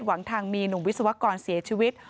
หวังทางมีหนุ่มวิศวกรเสียชีวิต